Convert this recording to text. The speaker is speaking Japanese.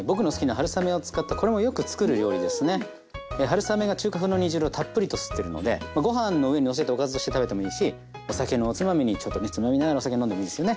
春雨が中華風の煮汁をたっぷりと吸ってるのでご飯の上にのせておかずとして食べてもいいしお酒のおつまみにちょっとねつまみながらお酒飲んでもいいっすよね。